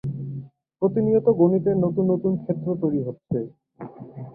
প্রতিনিয়ত গণিতের নতুন নতুন ক্ষেত্র তৈরি হচ্ছে।